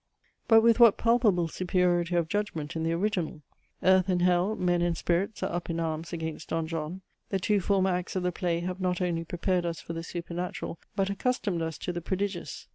But with what palpable superiority of judgment in the original! Earth and hell, men and spirits are up in arms against Don John; the two former acts of the play have not only prepared us for the supernatural, but accustomed us to the prodigious.